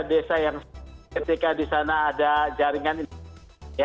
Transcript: desa yang ketika disana ada jaringan internet